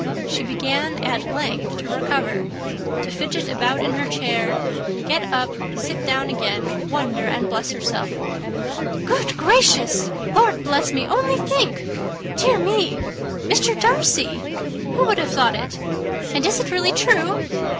She began at length to recover, to fidget about in her chair, get up, sit down again, wonder, and bless herself. "Good gracious! Lord bless me! only think! dear me! Mr. Darcy! Who would have thought it? And is it really true?